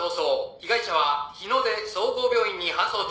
「被害者は日ノ出総合病院に搬送中」